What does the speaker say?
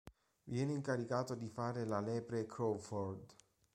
Viene incaricato di fare la lepre Crawford.